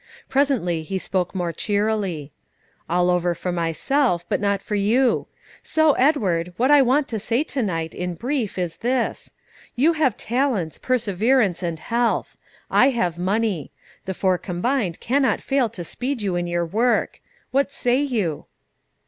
Presently he spoke more cheerily. "All over for myself, but not for you; so, Edward, what I want to say to night, in brief, is this: You have talents, perseverance, and health; I have money, the four combined cannot fail to speed you in your work. What say you?"